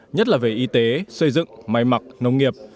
nhất là về y tế xây dựng máy mặc nông nghiệp